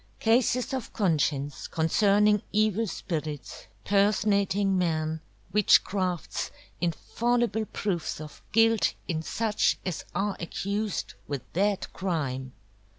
CASES of CONSCIENCE Concerning Evil Spirits Personating MEN; WITCHCRAFTS, Infallible Proofs of Guilt in such as are Accused with that CRIME.